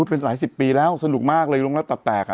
เป็นหลายสิบปีแล้วสนุกมากเลยโรงรับตับแตก